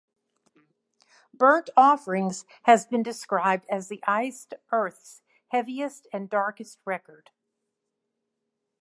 "Burnt Offerings" has been described as the Iced Earth's heaviest and darkest record.